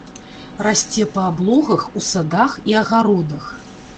Расце па аблогах, у садах і агародах.